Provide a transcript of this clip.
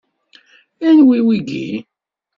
anwi wiyi?